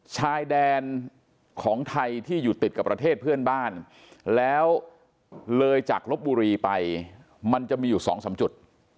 ชายแดนของไทยที่อยู่ติดกับประเทศเพื่อนบ้านแล้วเลยจากลบบุรีไปมันจะมีอยู่๒๓จุด